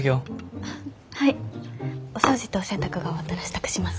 お掃除とお洗濯が終わったら支度します。